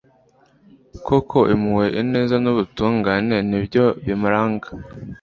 koko impuhwe, ineza n'ubutungane ni byo bimuranga